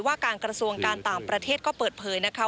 ว่าการกระทรวงการต่างประเทศก็เปิดเผยนะคะ